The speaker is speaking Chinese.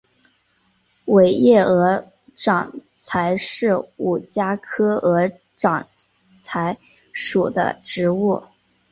尾叶鹅掌柴是五加科鹅掌柴属的植物。